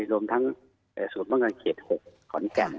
รวมทั้งศูนย์ภังกรรค์เขต๖ขอนแก่ม